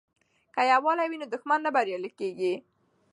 که یووالي وي نو دښمن نه بریالی کیږي.